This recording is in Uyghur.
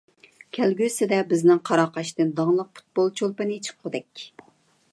كەلگۈسىدە بىزنىڭ قاراقاشتىن داڭلىق پۇتبول چولپىنى چىققۇدەك.